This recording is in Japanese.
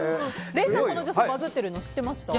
この女性がバズってるの知っていました？